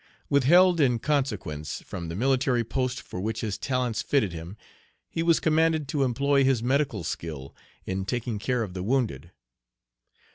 Withheld, in consequence, from the military post for which his talents fitted him, he was commanded to employ his medical skill in taking care of the wounded.